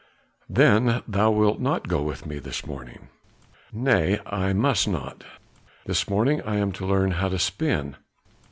"Then thou wilt not go with me this morning?" "Nay, I must not; this morning I am to learn how to spin.